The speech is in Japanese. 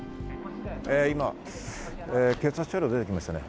今、警察車両出てきましたね。